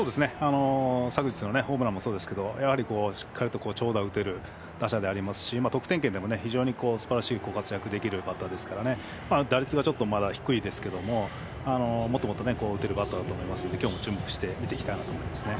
昨日のホームランもそうですがやはりしっかりと長打を打てる打者でありますし得点圏でもすばらしい活躍ができるバッターで、打率は低いですがもっと打てるバッターだと思いますので、今日も注目して見ていきたいなと思います。